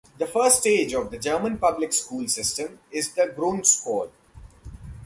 The first stage of the German public school system is the "Grundschule".